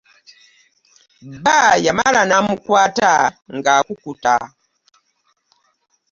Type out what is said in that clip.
Bba yamala n'amukwata nga akukuta.